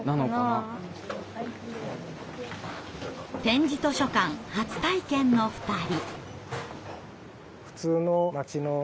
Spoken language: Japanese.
点字図書館初体験の２人。